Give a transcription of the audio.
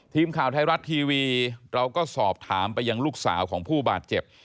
ทีมข่าวไทยรัฐทีวีเราก็สอบถามไปยังลูกสาวของผู้บาดเจ็บ